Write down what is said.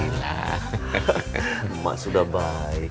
emak sudah baik